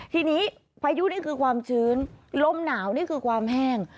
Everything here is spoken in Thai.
ทีนี้พายุนี่คือความชื้นลมหนาวนี่คือความแห้ง